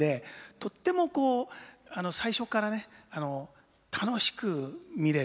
とってもこう最初からね楽しく見れる。